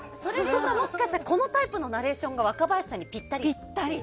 このタイプのナレーションが若林さんにぴったり？